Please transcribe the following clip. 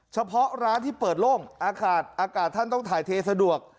เฉพาะร้านที่เปิดโล่งอากาศอากาศท่านต้องถ่ายเทสะดวก